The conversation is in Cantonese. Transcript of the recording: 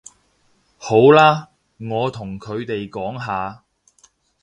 好啦，我同佢哋講吓